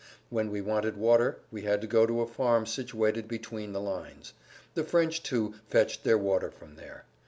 When we wanted water we had to go to a farm situated between the lines. The French too, fetched their water from there.